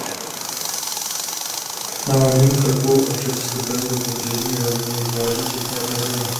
Na horním toku a před vstupem do pobřežní roviny vytváří četné peřeje.